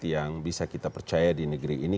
yang bisa kita percaya di negeri ini